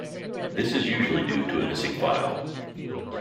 This is usually due to a missing file.